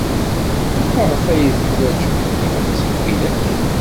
Maɣef ay teḥwajem yiwen seg widak?